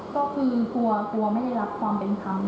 ก็คือกลัวไม่ได้รับความเป็นคำ